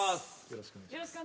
よろしくお願いします。